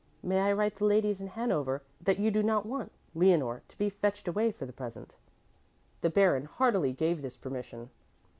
May I write the ladies in Hanover that you do not want Leonore to be fetched away for the present?" The Baron heartily gave this permission.